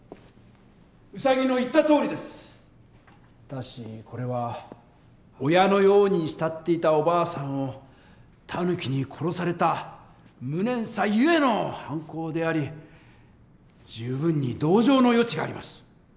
ただしこれは親のように慕っていたおばあさんをタヌキに殺された無念さゆえの犯行であり十分に同情の余地があります。